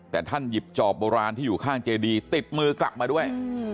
แต่ท่านหยิบจอบโบราณที่อยู่ข้างเจดีติดมือกลับมาด้วย